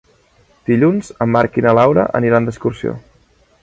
Dilluns en Marc i na Laura aniran d'excursió.